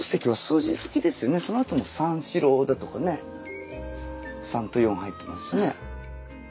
そのあとも「三四郎」だとかね三と四入ってますしね。